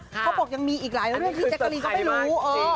เขาบอกยังมีอีกหลายเรื่องที่แจ๊กกะรีนก็ไม่รู้